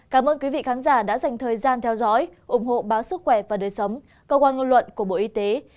cảm ơn các bạn đã theo dõi và hẹn gặp lại